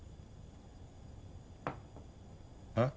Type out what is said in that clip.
えっ？